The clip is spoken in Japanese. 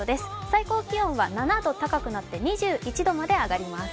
最高気温は７度高くなって２１度まで上がります。